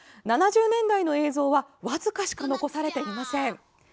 ７０年代の映像は僅かしか残されていません。